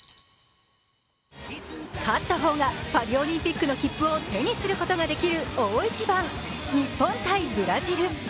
勝った方がパリオリンピックの切符を手にすることができる大一番、日本×ブラジル。